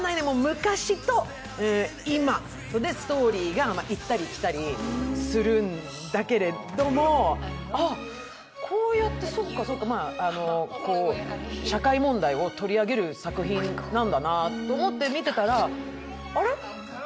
昔と今でストーリーが行ったり来たりするんだけれども、あ、こうやって、そっかそっかと、社会問題を取り上げる作品なんだなと思って見ていたら、あれ？